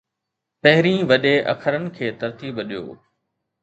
پهرين وڏي اکرن کي ترتيب ڏيو